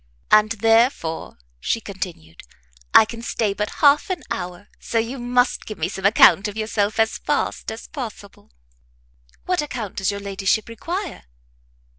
"And therefore," she continued, "I can stay but half an hour; so you must give me some account of yourself as fast as possible." "What account does your ladyship require?"